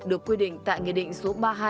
được quy định tại nghị định số ba mươi hai